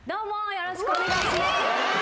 よろしくお願いします。